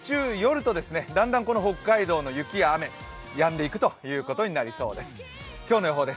日中、夜とだんだんと北海道の雪や雨、やんでいくということになりそうです。